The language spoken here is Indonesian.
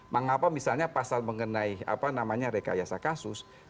mengapa misalnya pasal mengenai rekayasa kasus